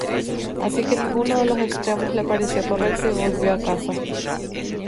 Así que ninguno de los extremos le pareció correcto y volvió a casa.